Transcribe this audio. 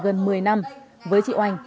gần một mươi năm với chị oanh